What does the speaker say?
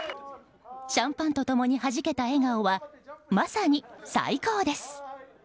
シャンパンと共にはじけた笑顔はまさに最高です！